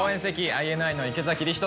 ＩＮＩの池理人と。